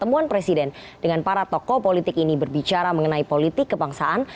pertemuan presiden dengan para tokoh politik ini berbicara mengenai politik kebangsaan